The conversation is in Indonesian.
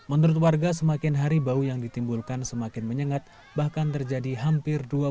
menurut warga semakin hari bau yang ditimbulkan semakin menyengat bahkan terjadi hampir dua jam